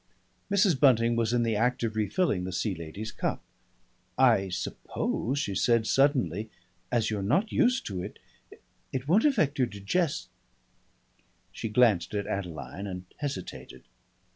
Mrs. Bunting was in the act of refilling the Sea Lady's cup. "I suppose," she said suddenly, "as you're not used to it It won't affect your diges " She glanced at Adeline and hesitated.